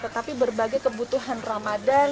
tetapi berbagai kebutuhan ramadan